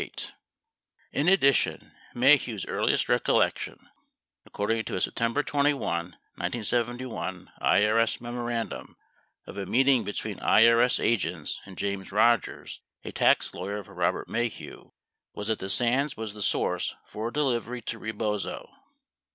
26 In addition, Maheu's earliest recollection, according to a Septem ber 21, 1971, IRS memorandum of a meeting between IRS agents and J ames Rogers, a tax lawyer for Robert Maheu, was that the Sands was the source for a delivery to Rebozo.